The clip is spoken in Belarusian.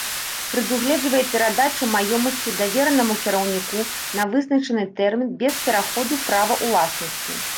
Прадугледжвае перадачу маёмасці давернаму кіраўніку на вызначаны тэрмін без пераходу права ўласнасці.